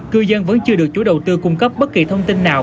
cư dân vẫn chưa được chủ đầu tư cung cấp bất kỳ thông tin nào